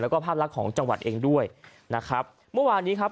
แล้วก็ภาพลักษณ์ของจังหวัดเองด้วยนะครับเมื่อวานนี้ครับ